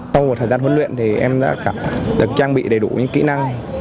sau một thời gian huấn luyện thì em đã được trang bị đầy đủ những kỹ năng